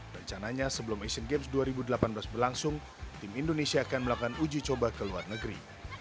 rencananya sebelum asian games dua ribu delapan belas berlangsung tim indonesia akan melakukan uji coba ke luar negeri